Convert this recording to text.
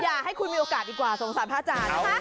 อย่าให้คุณมีโอกาสดีกว่าสงสารพระอาจารย์นะคะ